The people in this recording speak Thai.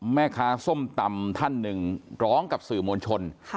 แม่ค้าส้มตำท่านหนึ่งร้องกับสื่อมวลชน